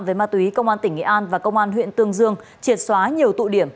về ma túy công an tỉnh nghệ an và công an huyện tương dương triệt xóa nhiều tụ điểm